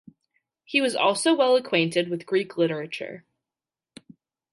He was also well acquainted with Greek literature.